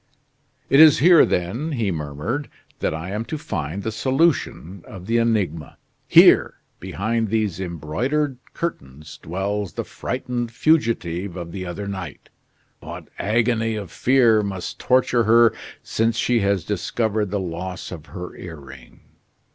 "It is here, then," he murmured, "that I am to find the solution of the enigma! Here, behind these embroidered curtains, dwells the frightened fugitive of the other night. What agony of fear must torture her since she has discovered the loss of her earring!"